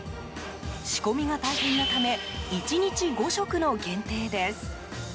仕込みが大変なため１日５食の限定です。